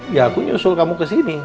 ya aku nyusul kamu kesini